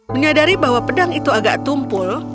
menyadari bahwa pedang itu agak tumpul